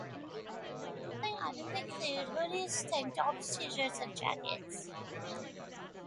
Clothing items include hoodies, tank tops, T-shirts and jackets.